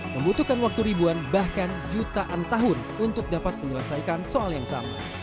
membutuhkan waktu ribuan bahkan jutaan tahun untuk dapat menyelesaikan soal yang sama